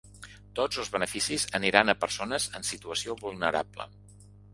Tots els beneficis aniran a persones en situació vulnerable.